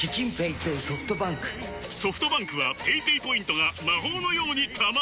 ソフトバンクはペイペイポイントが魔法のように貯まる！